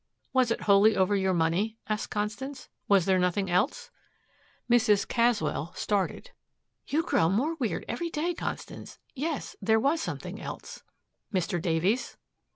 "Was it wholly over your money?" asked Constance. "Was there nothing else?" Mrs. Caswell started. "You grow more weird, every day, Constance. Yes there was something else." "Mr. Davies?"